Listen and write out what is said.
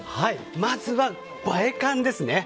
まずは、映え感ですね。